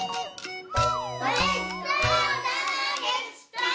ごちそうさまでした！